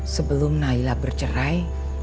sebelum naila bercerai